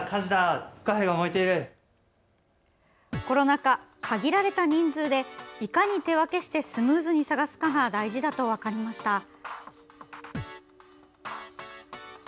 コロナ禍、限られた人数でいかに手分けしてスムーズに探すかが大事だと分かりました。